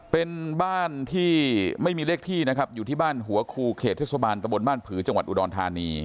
เป็นบ้านที่ไม่มีเลขที่นะครับอยู่ที่บ้านหัวคูเขตเทศบาลตะบนบ้านผือจังหวัดอุดรธานี